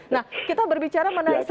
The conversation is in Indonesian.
nah kita berbicara mengenai